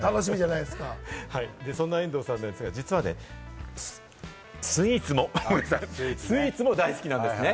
そんな遠藤さん、実はね、スイーツも大好きなんですね？